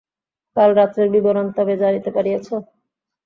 কাল রাত্রের বিবরণ তবে জানিতে পারিয়াছ।